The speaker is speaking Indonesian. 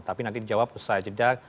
tapi nanti dijawab usai jeda